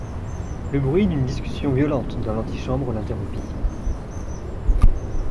Le bruit d'une discussion violente dans l'antichambre l'interrompit.